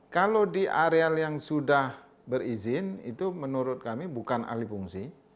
kalau di areal yang sudah berizin itu menurut kami bukan ahli fungsi